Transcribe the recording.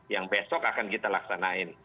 yang besok akan kita laksanain